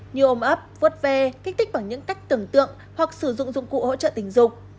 như ôm ấp vớt ve kích tích bằng những cách tưởng tượng hoặc sử dụng dụng cụ hỗ trợ tình dục